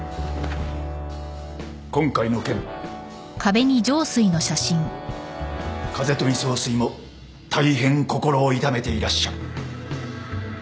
今回の件風富総帥も大変心を痛めていらっしゃる。